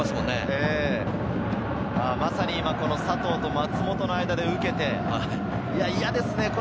まさに佐藤と松本の間で受けて、嫌ですね、これ。